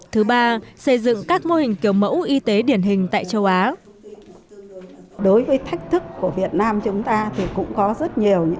thứ ba xây dựng các mô hình